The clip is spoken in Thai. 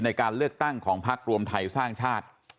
ในการเลือกตั้งของพักรวมไทยสร้างชาติ